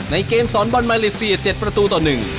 เกมสอนบอลมาเลเซีย๗ประตูต่อ๑